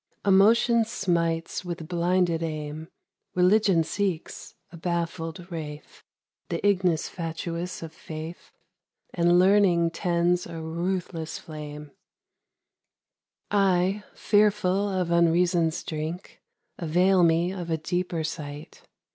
Emotion smites with blinded aim ; Religion seeks, a baffled wraith, The ignis fatuus of Faith, And Learning tends a ruthless flame. II DEDICATION. I, fearful of Unreason s drink, Avail me of a deeper sight.